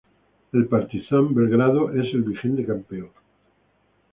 El Partizan Belgrado es el vigente campeón.